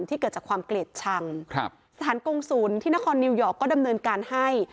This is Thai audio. เกิดจากความเกลียดชังครับสถานกงศูนย์ที่นครนิวยอร์กก็ดำเนินการให้